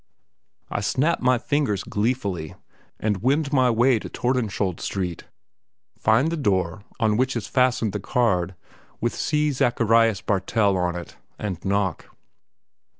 I snap my fingers gleefully, and wend my way to Tordenskjiolds Street, find the door, on which is fastened a card with C. Zacharias Bartel on it, and knock.